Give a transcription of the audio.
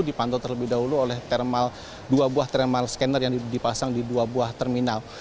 dipantau terlebih dahulu oleh dua buah thermal scanner yang dipasang di dua buah terminal